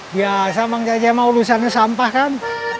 biasa bang jajak mau lulusan sampah kan